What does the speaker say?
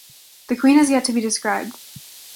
The queen has yet to be described.